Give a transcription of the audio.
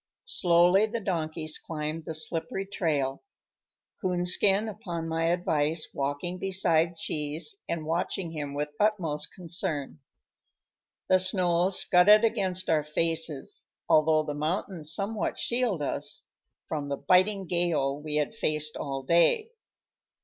Slowly the donkeys climbed the slippery trail, Coonskin, upon my advice, walking beside Cheese and watching him with utmost concern. The snow scudded against our faces, although the mountain somewhat shielded us from the biting gale we had faced all day.